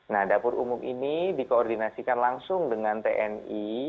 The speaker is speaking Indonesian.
nah dapur umum ini dikoordinasikan langsung dengan tni